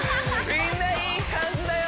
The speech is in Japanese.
みんないい感じだよ